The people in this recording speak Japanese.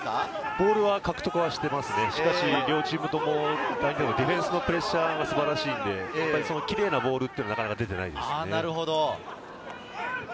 ボールは獲得していますが、ディフェンスのプレッシャーがすごいので、キレイなボールはなかなか出ていないですね。